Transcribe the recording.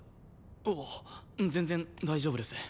ああ全然大丈夫です。